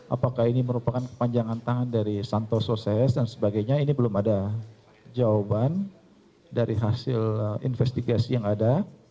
apakah ini merupakan kepanjangan tangan dari santoso cs dan sebagainya ini belum ada jawaban dari hasil investigasi yang ada